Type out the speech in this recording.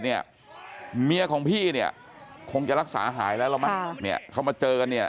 เนี่ยเมียของพี่เนี่ยคงจะรักษาหายแล้วเรามาเขามาเจอเนี่ย